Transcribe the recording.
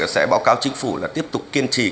sẽ báo cáo chính phủ là tiếp tục kiên trì